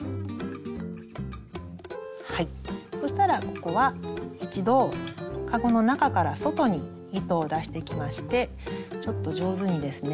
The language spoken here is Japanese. そしたらここは一度かごの中から外に糸を出していきましてちょっと上手にですね